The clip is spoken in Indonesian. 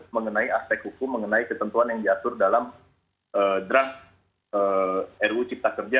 mengenai aspek hukum mengenai ketentuan yang diatur dalam draft ruu cipta kerja